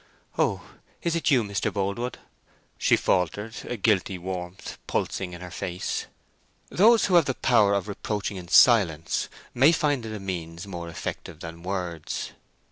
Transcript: "Oh; is it you, Mr. Boldwood?" she faltered, a guilty warmth pulsing in her face. Those who have the power of reproaching in silence may find it a means more effective than words.